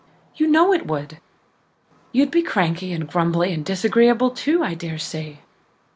You know it would. You'd be cranky and grumbly and disagreeable too, I dare say.